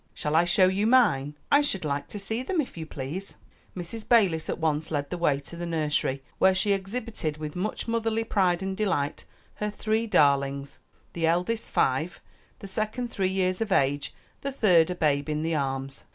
"Shall I show you mine?" "I should like to see them, if you please." Mrs. Balis at once led the way to the nursery, where she exhibited, with much motherly pride and delight, her three darlings, the eldest five, the second three years of age, the third a babe in the arms.